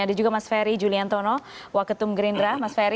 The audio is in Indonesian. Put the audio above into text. ada juga mas ferry juliantono waketum gerindra mas ferry